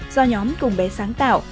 do nhóm công bé sáng tạo